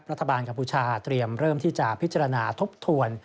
กัมพูชาเตรียมเริ่มที่จะพิจารณาทบทวน